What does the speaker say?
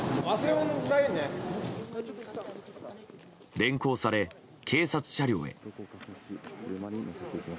連行され、警察車両へ。